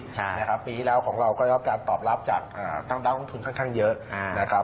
ใช่นะครับปีที่แล้วของเราก็ยอมการตอบรับจากตั้งต้นทุนค่อนข้างเยอะ